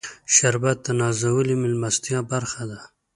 شربت د نازولې میلمستیا برخه ده